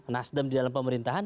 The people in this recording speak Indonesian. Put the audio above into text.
nasdem di dalam pemerintahan